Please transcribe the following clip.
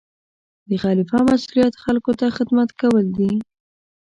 د خلیفه مسؤلیت خلکو ته خدمت کول دي.